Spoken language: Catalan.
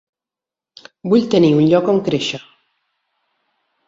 Vull tenir un lloc on créixer.